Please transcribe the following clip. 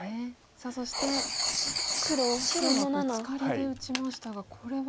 さあそして白はブツカリで打ちましたがこれは。